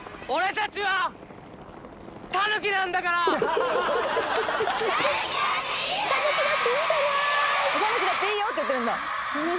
たぬきだっていいよって言ってるんだ。